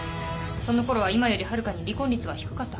そのころは今よりはるかに離婚率は低かったはずよ。